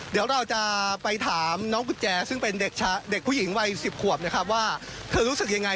เดี๋ยวเราจะไปถามน้องกุญแจซึ่งเป็นเด็กผู้หญิงวัย๑๐ขวบนะครับว่าเธอรู้สึกยังไง